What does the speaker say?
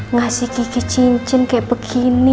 ngasih gigi cincin kayak begini